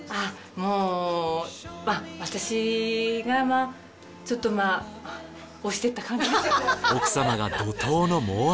もう私がまあちょっとまあ押してった感じですね。